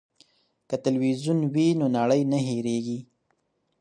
که تلویزیون وي نو نړۍ نه هیریږي.